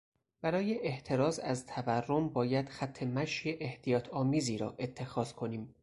برای احتراز از تورم باید خطمشی احتیاط آمیزی را اتخاذ کنیم.